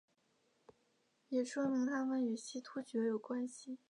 也说明他们与西突厥有关系。